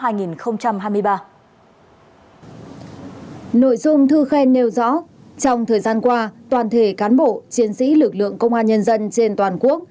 nội dung thư khen nêu rõ trong thời gian qua toàn thể cán bộ chiến sĩ lực lượng công an nhân dân trên toàn quốc